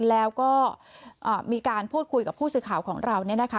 แล้วก็มีการพูดคุยกับผู้สื่อข่าวของเรา